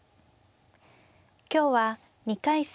今日は２回戦